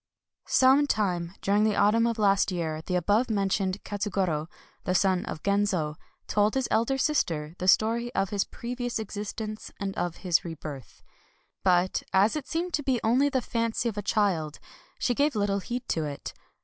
Some time during the autumn of last year, the above mentioned Katsugoro, the son of Genzo, told to his elder sister the story of his THE REBIRTH OF KATSUGORO 269 previous existence and of liis rebirth. But as it seemed to be only the fancy of a child, she gave little heed to it.